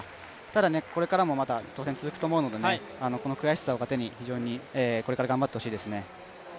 ただ、これからも挑戦続くと思うのでこの悔しさを糧にこれから頑張ってほしいですね。